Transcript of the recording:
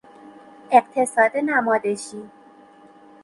اقتصاد نمادشی